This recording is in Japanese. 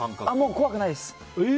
怖くないです。